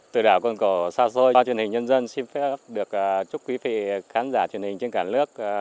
từ đảo cơn cổ xa xôi qua truyền hình nhân dân xin phép được chúc quý vị khán giả truyền hình trên cả nước